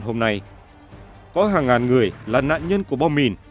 hôm nay có hàng ngàn người là nạn nhân của bom mìn